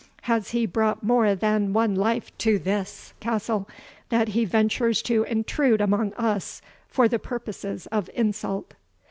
Has he brought more than one life to this castle, that he ventures to intrude among us for the purposes of insult?"